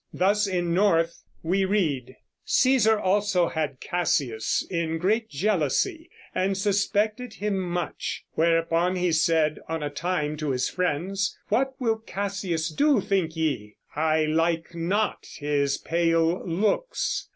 Thus in North we read: Cæsar also had Cassius in great jealousy and suspected him much: whereupon he said on a time to his friends: "What will Cassius do, think ye? I like not his pale looks."